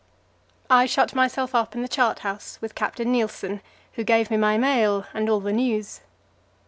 I shut myself up in the chart house with Captain Nilsen, who gave me my mail and all the news.